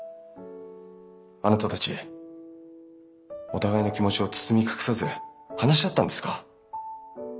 あなたたちお互いの気持ちを包み隠さず話し合ったんですか？